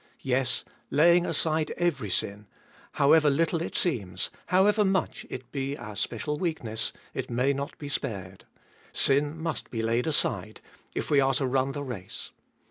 Yes, laying aside every sin — however little it seems, however much it be our special weakness — it may not be spared. Sin must be laid aside, if we are to run the race.